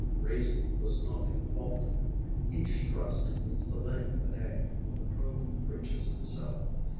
Reason was not at fault. Each thrust means the laying of an egg when the probe reaches the cell.